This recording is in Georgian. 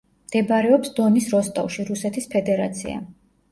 მდებარეობს დონის როსტოვში, რუსეთის ფედერაცია.